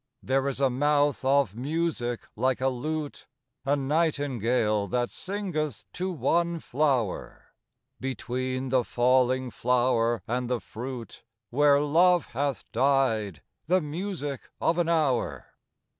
There is a mouth of music like a lute, A nightingale that singeth to one flower; Between the falling flower and the fruit, Where love hath died, the music of an hour.